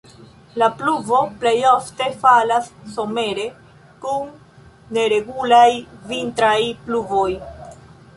La pluvo plejofte falas somere, kun neregulaj vintraj pluvoj.